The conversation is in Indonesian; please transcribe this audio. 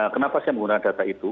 kenapa saya menggunakan data itu